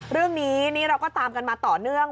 เรื่องนี้นี่เราก็ตามกันมาต่อเนื่อง